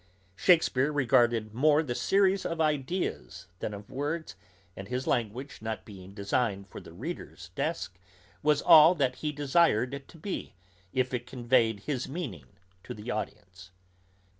Shakespeare regarded more the series of ideas, than of words; and his language, not being designed for the reader's desk, was all that he desired it to be, if it conveyed his meaning to the audience.